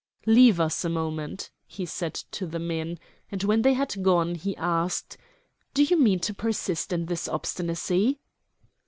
"Leave us a moment," he said to the men; and when they had gone he asked, "Do you mean to persist in this obstinacy?"